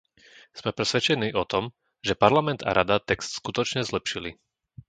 Sme presvedčení o tom, že Parlament a Rada text skutočne zlepšili.